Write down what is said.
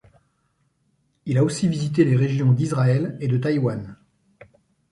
Il a aussi visité les régions d'Israël et de Taïwan.